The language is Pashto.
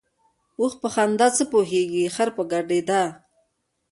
ـ اوښ په خندا څه پوهېږي ، خر په ګډېدا.